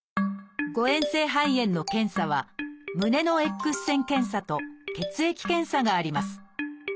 誤えん性肺炎の検査は胸のＸ線検査と血液検査があります。